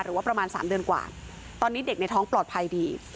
ประมาณ๓เดือนกว่าตอนนี้เด็กในท้องปลอดภัยดี